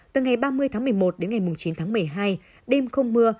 từ ngày ba mươi tháng một mươi một đến ngày chín tháng một mươi hai đêm không mưa